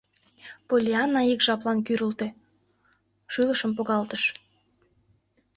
Поллианна икжаплан кӱрылтӧ, шӱлышым погалтыш.